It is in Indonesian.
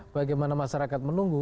bagaimana masyarakat menunggu